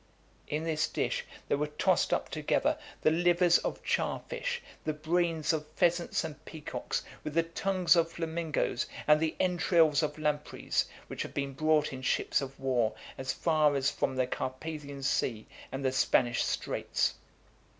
In this dish there were tossed up together the livers of char fish, the brains of pheasants and peacocks, with the tongues of flamingos, and the entrails of lampreys, which had been brought in ships of war as far as (436) from the Carpathian Sea, and the Spanish Straits.